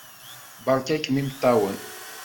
Beṛka-ken imeṭṭawen!